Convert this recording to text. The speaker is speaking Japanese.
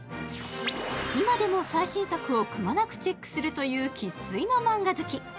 今でも最新作をくまなくチェックするという生粋のマンガ好き。